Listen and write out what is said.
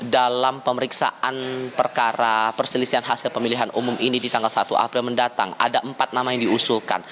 dalam pemeriksaan perkara perselisihan hasil pemilihan umum ini di tanggal satu april